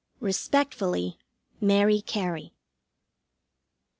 Respectfully, MARY CARY.